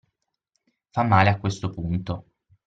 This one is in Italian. Fa male a questo punto.